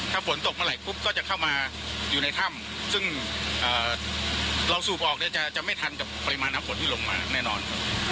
ถ้าฝนตกเมื่อไหร่ปุ๊บก็จะเข้ามาอยู่ในถ้ำซึ่งเราสูบออกเนี่ยจะไม่ทันกับปริมาณน้ำฝนที่ลงมาแน่นอนครับ